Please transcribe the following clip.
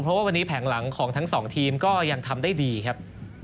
เพราะว่าวันนี้แผงหลังของทั้งสองทีมก็ยังทำได้ดีครับ